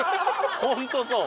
ホントそう。